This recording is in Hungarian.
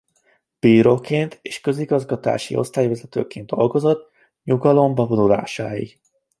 Bíróként és közigazgatási osztályvezetőként dolgozott nyugalomba vonulásáig.